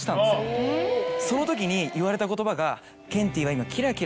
そのときに言われた言葉が「ケンティは」。